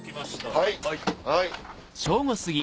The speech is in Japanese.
はい。